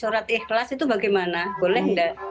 itu bagaimana boleh gak